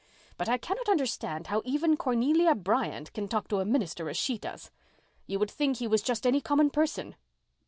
But I cannot understand how even Cornelia Bryant can talk to a minister as she does. You would think he was just any common person."